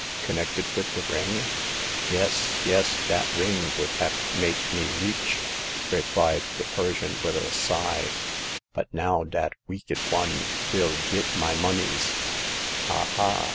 Connected with the ring ?"Yes, yes ; dat ring would haf mate me reech," replied the Persian, with a sigh ;" but now dat weeked one vill git my moneys. Aha